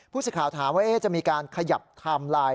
สิทธิ์ถามว่าจะมีการขยับไทม์ไลน์